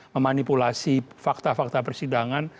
memanipulasi fakta fakta persidangan